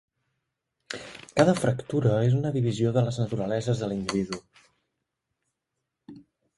Cada fractura és una divisió de les naturaleses de l'individu.